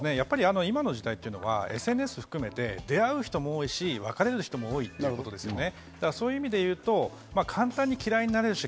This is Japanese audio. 今の時代はＳＮＳを含めて、出会う人も多いし、別れる人も多いということですよね。